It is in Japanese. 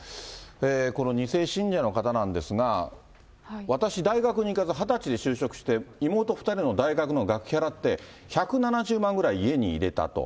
この２世信者の方なんですが、私、大学に行かず、２０歳で就職して、妹２人の大学の学費払って、１７０万ぐらい家に入れたと。